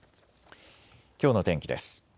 きょうの天気です。